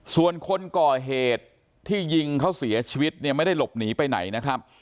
ส่วนคนก่อเหตุที่ยิงเขาเสียชีวิตไม่ได้หลบหนีไปไหน